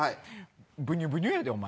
ブニュブニュやでお前。